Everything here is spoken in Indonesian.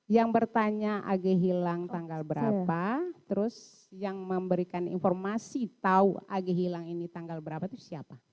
yang bertanya ag hilang tanggal berapa terus yang memberikan informasi tahu ag hilang ini tanggal berapa itu siapa